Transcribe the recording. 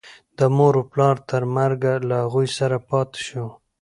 د مور و پلار تر مرګه له هغو سره پاتې شو.